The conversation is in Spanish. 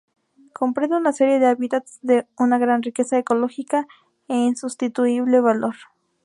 Comprende una serie de hábitats de una gran riqueza ecológica e insustituible valor.